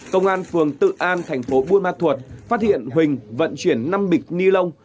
công an phường tự an thành phố buôn ma thuột phát hiện huỳnh vận chuyển năm bịch ni lông